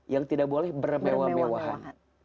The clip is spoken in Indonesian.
yang tidak boleh bermewah mewahan